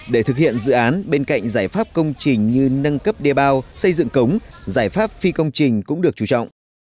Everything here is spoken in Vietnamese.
để thực hiện dự án bên cạnh giải pháp công trình như nâng cấp đê bao xây dựng cống giải pháp phi công trình cũng được chú trọng